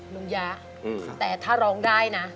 ยะแต่ถ้าร้องได้นะ